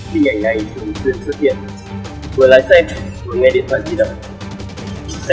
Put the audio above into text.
bình ảnh này dùng quyền thực hiện